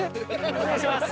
お願いします。